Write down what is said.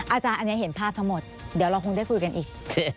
อาจารย์อันนี้เห็นภาพทั้งหมดเดี๋ยวเราคงได้คุยกันอีก